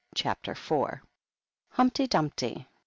CHAPTEK IV. HUMPTY DUMPTY.